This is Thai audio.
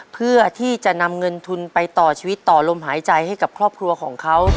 เพื่อที่จะนำเงินทุนไปต่อชีวิตต่อลมหายใจให้กับครอบครัวของเขา